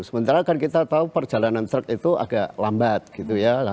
sementara kan kita tahu perjalanan truk itu agak lambat gitu ya